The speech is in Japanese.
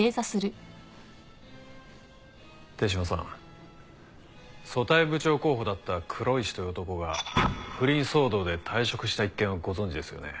手嶌さん組対部長候補だった黒石という男が不倫騒動で退職した一件はご存じですよね？